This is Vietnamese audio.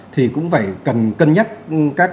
thì cũng phải cần cân nhắc